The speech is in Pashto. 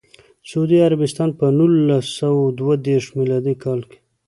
سعودي عربستان په نولس سوه دوه دیرش میلادي کال کې.